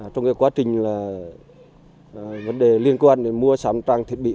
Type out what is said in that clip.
trong cái quá trình là vấn đề liên quan đến mua sắm trang thiết bị